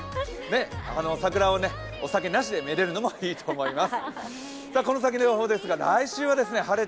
桜をお酒なしでめでるのもいいと思います。